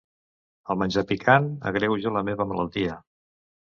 El menjar picant agreuja la meva malaltia.